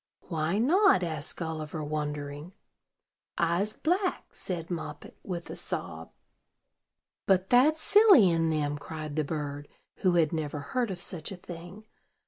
"Why not?" asked Gulliver, wondering. "I'se black," said Moppet, with a sob. "But that's silly in them," cried the bird, who had never heard of such a thing.